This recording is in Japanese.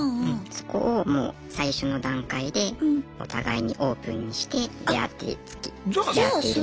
そこをもう最初の段階でお互いにオープンにして出会ってつきあっているので。